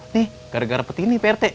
nih gara gara peti ini prt